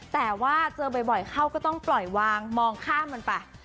แต่ว่าเจอบ่อยเข้าก็ต้องปล่อยวางมองข้ามมันไป